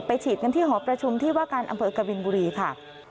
ฉีดกันที่หอประชุมที่ว่าการอำเภอกบินบุรีค่ะ